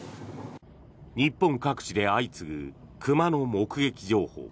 日本各地で相次ぐ熊の目撃情報。